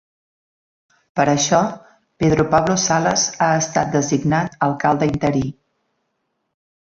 Per això, Pedro Pablo Salas ha estat designat alcalde interí.